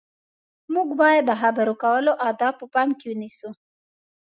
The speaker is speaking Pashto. موږ باید د خبرو کولو اداب په پام کې ونیسو.